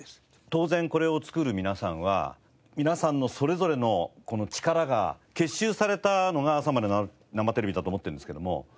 当然これを作る皆さんは皆さんのそれぞれのこの力が結集されたのが『朝まで生テレビ！』だと思ってるんですけども。